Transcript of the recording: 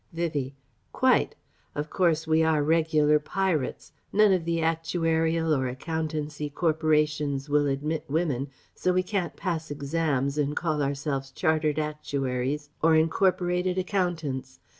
Vivie: "Quite. Of course we are regular pirates. None of the actuarial or accountancy corporations will admit women, so we can't pass exams and call ourselves chartered actuaries or incorporated accountants.